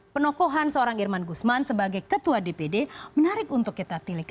penokohan seorang irman gusman sebagai ketua dpd menarik untuk kita tilik